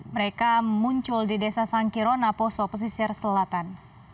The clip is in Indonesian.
mereka muncul di desa sangkiron aposo pesisir selatan